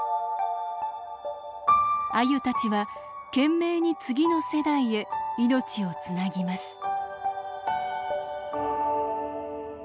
アユたちは懸命に次の世代へ命をつなぎます。